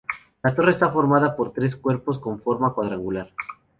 La torre está formada por tres cuerpos con forma cuadrangular.